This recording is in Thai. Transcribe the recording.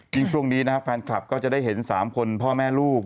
ช่วงนี้นะครับแฟนคลับก็จะได้เห็น๓คนพ่อแม่ลูก